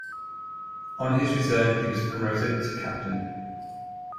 On his return, he was promoted to captain.